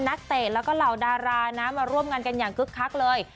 นักเตศแล้วก็เหล่าดารามาร่วมงานกันอย่างคืกเลย